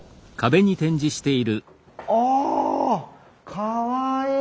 かわいい。